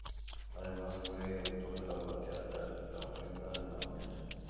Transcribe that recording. Además fue autor de la obra teatral "La ofrenda de la mañana".